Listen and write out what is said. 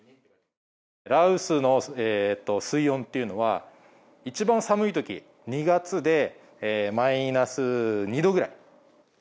羅臼の水温っていうのは一番寒いとき２月でマイナス２度くらい。